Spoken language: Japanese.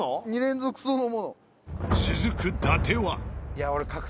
続く伊達は。